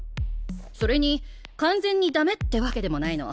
それに完全にダメってわけでもないの。